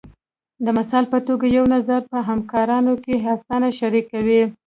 د مثال په توګه یو نظر په همکارانو کې اسانه شریکوئ.